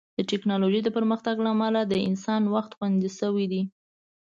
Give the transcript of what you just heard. د ټیکنالوژۍ د پرمختګ له امله د انسان وخت خوندي شوی دی.